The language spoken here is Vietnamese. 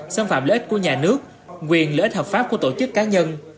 xâm phạm lợi ích của nhà nước quyền lợi ích hợp pháp của tổ chức cá nhân